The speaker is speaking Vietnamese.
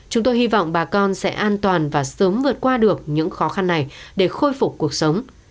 chúng tôi hy vọng bà con sẽ an toàn và sớm vượt qua được những khó khăn này để khôi phục cuộc sống